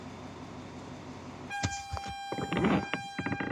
د پیاز اچار جوړولو لپاره سپین پیاز او هوګه پکار دي.